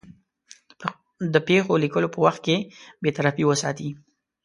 د پېښو لیکلو په وخت کې بېطرفي وساتي.